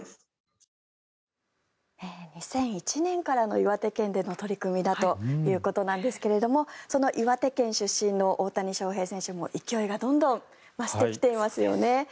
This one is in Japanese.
２００１年からの岩手県での取り組みだということなんですがその岩手県出身の大谷翔平選手も勢いがどんどん増してきていますよね。